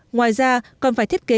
ngoài ra còn phải thiết kế bồn